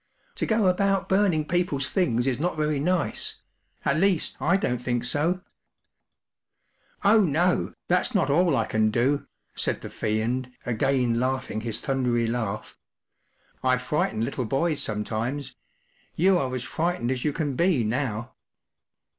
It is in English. To go about burning people's things is not very nice ; at least, I don't think so,” “Oh, no t that’s not all I can do/ 5 said the Fiend, again laughing his thundery laugh. “ 1 frighten little boys sometimes; you are as frightened as you can be now."